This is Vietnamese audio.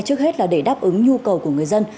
trước hết là để đáp ứng nhu cầu của người dân